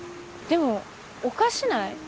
でもおかしない？